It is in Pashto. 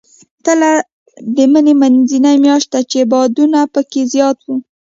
تله د مني منځنۍ میاشت ده، چې بادونه پکې زیات وي.